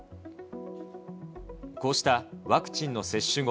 こうしたワクチンの接種後、